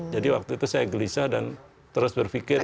jadi waktu itu saya gelisah dan terus berpikir